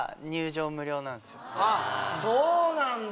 そうなんだ！